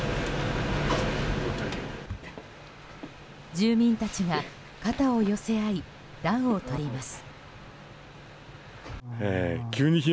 住民たちが肩を寄せ合い暖をとります。